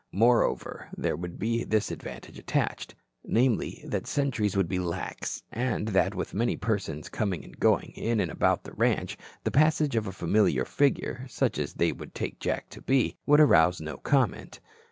Moreover, there would be this advantage attached, namely, that sentries would be lax and that, with many persons coming and going in and about the ranch, the passage of a familiar figure, such as they would take Jack to be, would arouse no comment.